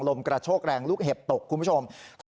กระโชกแรงลูกเห็บตกคุณผู้ชม